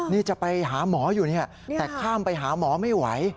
นี่จะไปหาหมออยู่เนี่ยแต่ข้ามไปหาหมอไม่ไหว